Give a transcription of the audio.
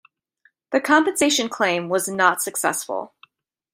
The compensation claim was not successful.